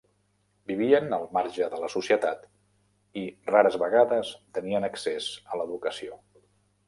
Vivien al marge de la societat i rares vegades tenien accés a l'educació.